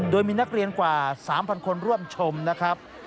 โดยมีนักเรียนกว่า๓๐๐คนร่วมชมนะครับ